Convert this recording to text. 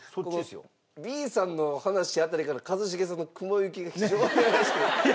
Ｂさんの話辺りから一茂さんの雲行きが非常に怪しくなって。